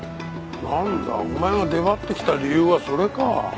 なんだお前が出張ってきた理由はそれか。